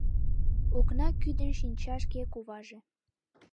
Окна кӱдынь шинча шке куваже